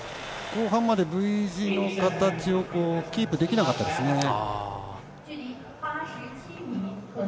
後半までＶ字の形をキープできなかったですね。